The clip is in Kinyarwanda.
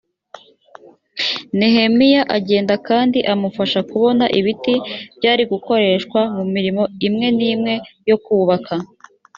nehemiya agenda kandi amufasha kubona ibiti byari gukoreshwa mu mirimo imwe n imwe yo kubaka